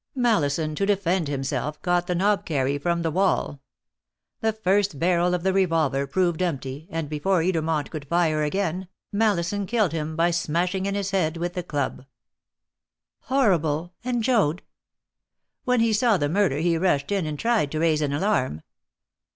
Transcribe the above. Mallison, to defend himself, caught the knobkerrie from the wall. The first barrel of the revolver proved empty, and before Edermont could fire again, Mallison killed him by smashing in his head with the club." "Horrible! And Joad?" "When he saw the murder he rushed in, and tried to raise an alarm.